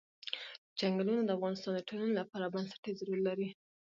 چنګلونه د افغانستان د ټولنې لپاره بنسټيز رول لري.